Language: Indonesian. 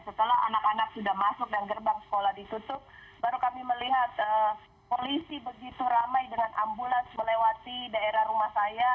setelah anak anak sudah masuk dan gerbang sekolah ditutup baru kami melihat polisi begitu ramai dengan ambulans melewati daerah rumah saya